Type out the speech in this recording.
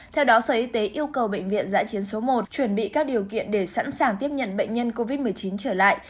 theo đó sở y tế yêu cầu bệnh viện giã chiến số một chuẩn bị các điều kiện để sẵn sàng tiếp nhận bệnh nhân covid một mươi chín trở lại